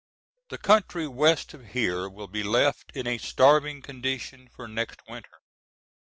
The country west of here will be left in a starving condition for next winter.